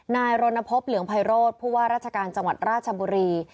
นายรณพบเหลืองไพโรธผู้ว่าราชการจังหวัดราชบุรี